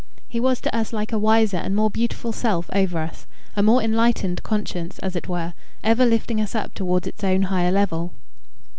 He was to us like a wiser and more beautiful self over us, a more enlightened conscience, as it were, ever lifting us up towards its own higher level.